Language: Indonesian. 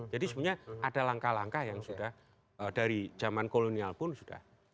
jadi sebenarnya ada langkah langkah yang sudah dari zaman kolonial pun sudah